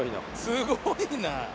すごいな！